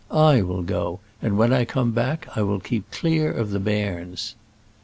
I will go, and when I come back I will keep clear of the bairns."